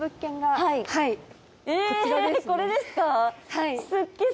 えこれですか？